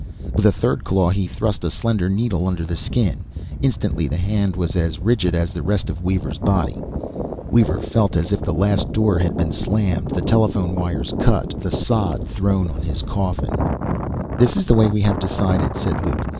With a third claw he thrust a slender needle under the skin. Instantly the hand was as rigid as the rest of Weaver's body. Weaver felt as if the last door had been slammed, the telephone wires cut, the sod thrown on the coffin. "This is the way we have decided," said Luke.